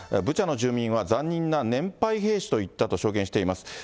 ブチャの住民は残忍な年配兵士と言ったと証言しています。